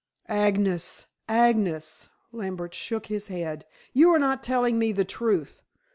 "Agnes! Agnes!" Lambert shook his head. "You are not telling me the truth.